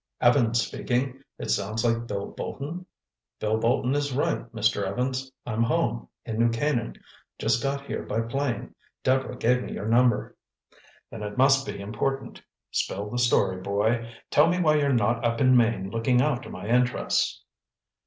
"Evans speaking. It sounds like Bill Bolton?" "Bill Bolton is right, Mr. Evans. I'm home—in New Canaan—just got here by plane. Deborah gave me your number." "Then it must be important. Spill the story, boy. Tell me why you're not up in Maine looking after my interests."